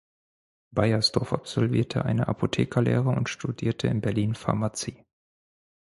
Beiersdorf absolvierte eine Apothekerlehre und studierte in Berlin Pharmazie.